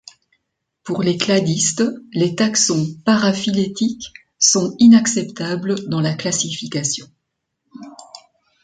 Pour les cladistes, les taxons paraphylétiques sont inacceptables dans la classification.